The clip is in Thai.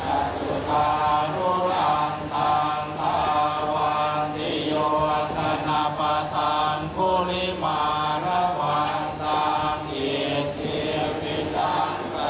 คนชิตวะหมุนินทวกทันเตจรกษาภาวะตุเตจัยคระมา